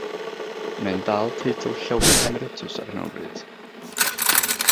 Mae'n dal teitl Llywydd Emeritws ar hyn o bryd.